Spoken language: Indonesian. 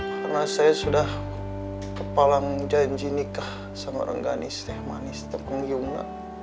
karena saya sudah kepala menjanji nikah sama rengganis teh manis teh penghium neng